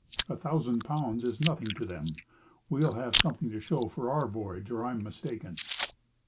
A thousand pounds is nothing to them. We'll have something to show for our voyage, or I am mistaken."